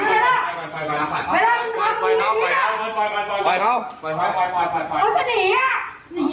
สิทธิ์ของกูเหมือนกัน